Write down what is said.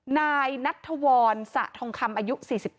นายนัทธวรสะทองคำอายุ๔๙